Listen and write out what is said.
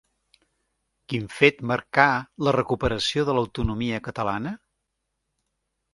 Quin fet marcà la recuperació de l'autonomia catalana?